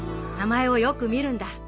名前をよく見るんだ。